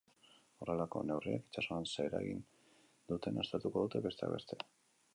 Horrelako neurriek itsasoan ze eragin duten aztertuko dute, besteak beste.